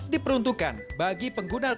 diperuntukkan bagi pengguna kualitas